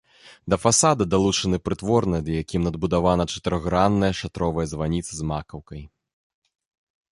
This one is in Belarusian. Да фасада далучаны прытвор, над якім надбудавана чатырохгранная шатровая званіца з макаўкай.